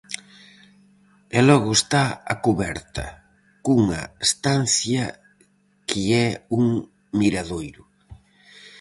E logo está a cuberta, cunha estancia que é un miradoiro.